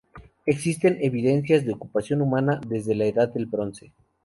Existen evidencias de ocupación humana desde la Edad del Bronce.